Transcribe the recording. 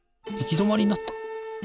どまりになった！